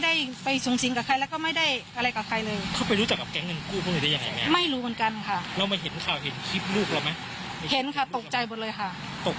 ไม่ได้ถามค่ะตั้งแต่วันนั้นก็ไม่ได้เจอกันอีกเลยค่ะ